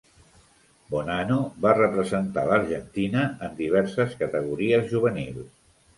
Bonano va representar l'Argentina en diverses categories juvenils.